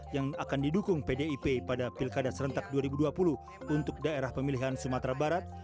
yang akan didukung pdip pada pilkada serentak dua ribu dua puluh untuk daerah pemilihan sumatera barat